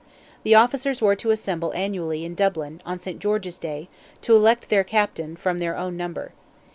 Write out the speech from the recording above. The officers were to assemble annually in Dublin, on St. George's Day, to elect their Captain from their own number.